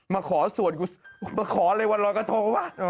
มาขอส่วนกูมาขออะไรวันรอยกระทงว่ะ